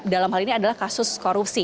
dalam hal ini adalah kasus korupsi